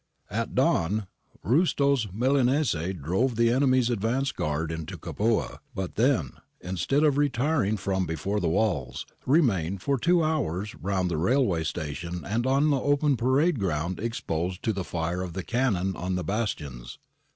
At dawn RUstow's Milanese drove the enemy's advance guard into Capua, but then, instead of retiring from before the walls, remained for two hours round the railway station and on the open parade ground exposed to the fire of the cannon on the bastions.